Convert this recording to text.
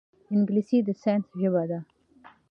انګلیسي د ساینس ژبه ده